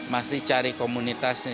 masih cari komunitasnya